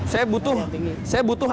saya butuh asupan